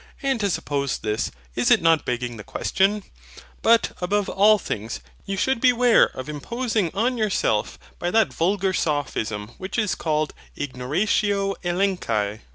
And to suppose this, is it not begging the question? But, above all things, you should beware of imposing on yourself by that vulgar sophism which is called IGNORATIO ELENCHI.